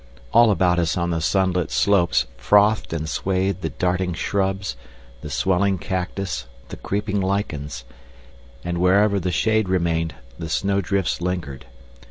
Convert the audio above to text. All about us on the sunlit slopes frothed and swayed the darting shrubs, the swelling cactus, the creeping lichens, and wherever the shade remained the snow drifts lingered.